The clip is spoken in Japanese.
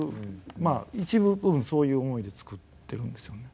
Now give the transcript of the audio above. まあ一部分そういう思いでつくってるんですよね。